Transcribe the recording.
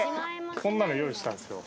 こんなの用意したんですよ。